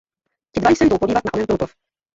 Ti dva se jdou podívat na onen průplav.